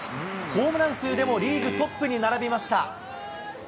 ホームラン数でもリーグトップに並びました。